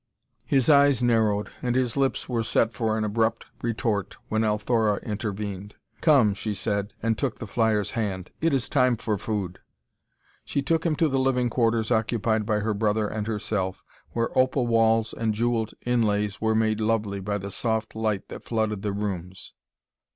His eyes narrowed, and his lips were set for an abrupt retort when Althora intervened. "Come," she said, and took the flyer's hand. "It is time for food." She took him to the living quarters occupied by her brother and herself, where opal walls and jewelled inlays were made lovely by the soft light that flooded the rooms.